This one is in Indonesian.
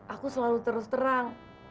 aku selalu terus terang